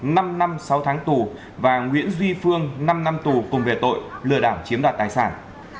năm năm sáu tháng tù và nguyễn duy phương năm năm tù cùng về tội lừa đảo chiếm đoạt tài sản